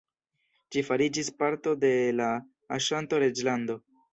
Ĝi fariĝis parto de la Aŝanto-Reĝlando.